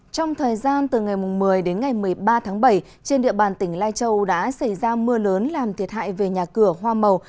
trong thời gian từ ngày một mươi đến ngày một mươi ba tháng bảy trên địa bàn tỉnh lai châu đã xảy ra mưa lớn làm thiệt hại về nhà cửa hoa màu